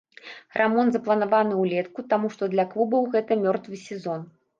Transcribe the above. Рамонт запланаваны ўлетку, таму што для клубаў гэта мёртвы сезон.